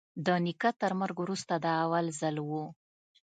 د نيکه تر مرگ وروسته دا اول ځل و.